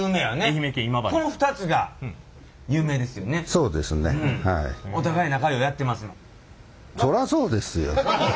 そうですねはい。